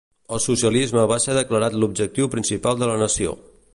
El socialisme va ser declarat l'objectiu principal de la nació.